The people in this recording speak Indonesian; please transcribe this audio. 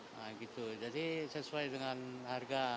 nah gitu jadi sesuai dengan harga